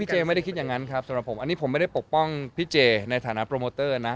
เจไม่ได้คิดอย่างนั้นครับสำหรับผมอันนี้ผมไม่ได้ปกป้องพี่เจในฐานะโปรโมเตอร์นะ